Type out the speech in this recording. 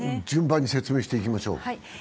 順番に説明していきましょう。